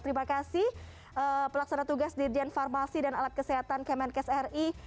terima kasih pelaksana tugas dirjen farmasi dan alat kesehatan kemenkes ri